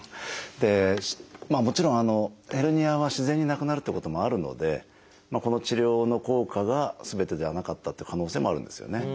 もちろんヘルニアは自然になくなるってこともあるのでこの治療の効果がすべてではなかったって可能性もあるんですよね。